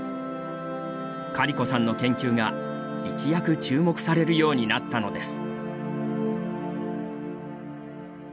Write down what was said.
カリコさんの研究が一躍注目されるようになったのです。